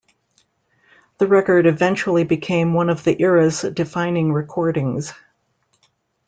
The record eventually became one of the era's defining recordings.